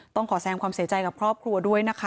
ต้องขอแสงความเสียใจกับครอบครัวด้วยนะคะ